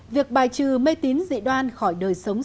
việc bài trừ mê tín dị đoan khỏi đời sống